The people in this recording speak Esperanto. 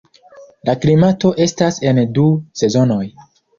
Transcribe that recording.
La klimato estas en du sezonoj.